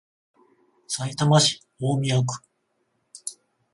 さいたま市大宮区